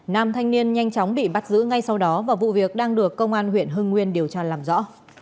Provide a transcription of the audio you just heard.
nam thanh niên nhanh chóng bị bắt giữ ngay sau đó và vụ việc đang được công an huyện hưng nguyên điều tra làm rõ